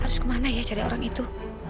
harus kemana ya cari orang itu